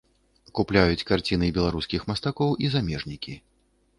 Купляюць карціны беларускіх мастакоў і замежнікі.